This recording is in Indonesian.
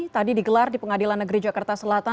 tadi digelar di pengadilan negeri jakarta selatan